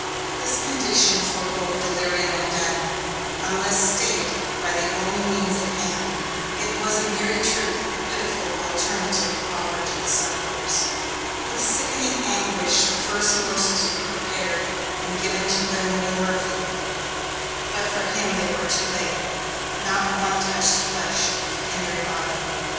This condition forebode delirium and death, unless stayed by the only means at hand. It was in very truth a pitiful alternative offered to the sufferers. With sickening anguish the first morsels were prepared and given to Lemuel Murphy, but for him they were too late. Not one touched flesh of kindred body.